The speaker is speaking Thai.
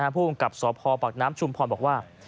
ผู้กำกับสพปากน้ำชุมพรบอกว่า